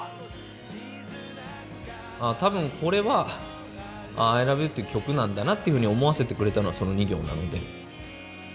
ああ多分これは「アイラブユー」っていう曲なんだなっていうふうに思わせてくれたのはその２行なので。